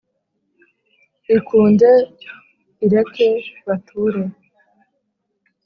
ikunde ireke bature.